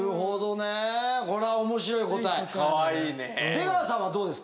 出川さんはどうですか？